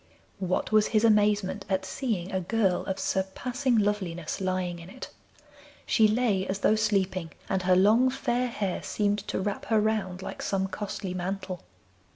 What was his amazement at seeing a girl of surpassing loveliness lying in it! She lay as though sleeping, and her long, fair hair seemed to wrap her round like some costly mantle.